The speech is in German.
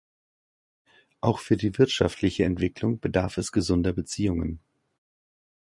Auch für die wirtschaftliche Entwicklung bedarf es gesunder Beziehungen.